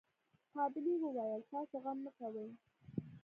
قابلې وويل تاسو غم مه کوئ.